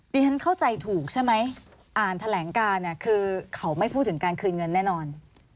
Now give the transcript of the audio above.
ฉันเข้าใจถูกใช่ไหมอ่านแถลงการเนี่ยคือเขาไม่พูดถึงการคืนเงินแน่นอน